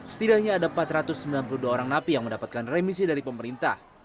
setidaknya ada empat ratus sembilan puluh dua orang napi yang mendapatkan remisi dari pemerintah